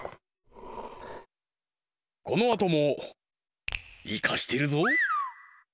このあともイカしてるぞ！